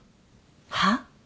はっ？